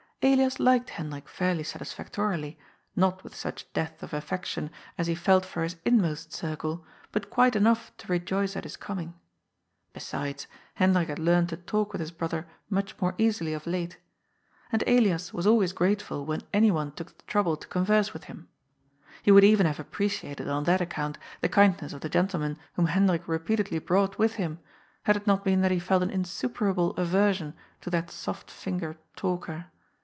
Elias liked Hendrik fairly satisfac torily, not with such depth of affection as he felt for his in most circle, but quite enough to rejoice at his coming. Be sides, Hendrik had learned to talk with his brother much more easily of late. And Elias was always grateful when any one took the trouble to converse with him. He would A POOL'S THOUGHTS. 283 eren hare appreciated, on that account, the kindness of the gentleman whom Hendrik repeatedly brought with him, had it not been that he felt an insuperable aversion to that soft fingered talker.